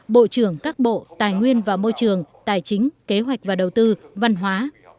bộ trưởng các bộ tài nguyên và môi trường tài chính kế hoạch và đầu tư văn hóa